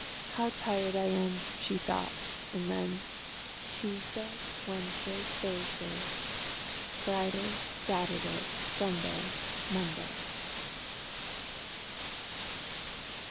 "How tired I am!" she thought, and then "Tuesday, Wednesday, Thursday Friday, Saturday, Sunday, Monday."